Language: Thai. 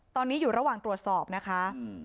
ตอนนี้อยู่ระหว่างตรวจสอบนะคะ